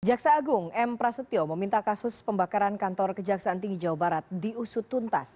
jaksa agung m prasetyo meminta kasus pembakaran kantor kejaksaan tinggi jawa barat diusut tuntas